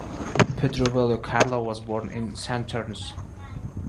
Pedro Valle Carlo was born in Santurce.